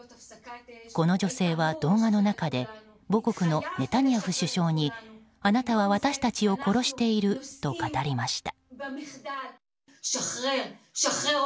この女性は動画の中で母国のネタニヤフ首相にあなたは私たちを殺していると語りました。